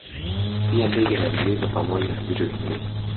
Pia ndege na milima pamoja na vitu vingine